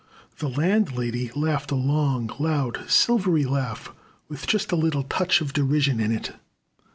The Landlady laughed a long, loud, silvery laugh, with just a little touch of derision in it.